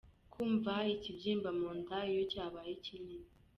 Kumva ikibyinba mu nda iyo cyabaye kinini.